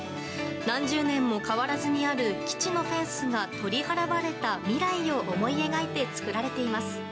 何十年も変わらずにある基地のフェンスが取り払われた未来を思い描いて作られています。